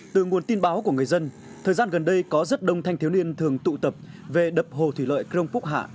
từ nguồn tin báo của người dân thời gian gần đây có rất đông thanh thiếu niên thường tụ tập về đập hồ thủy lợi crong phúc hạ